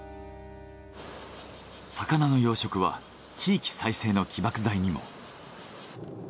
魚の養殖は地域再生の起爆剤にも。